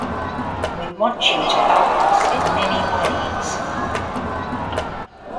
We want you to help us in many ways.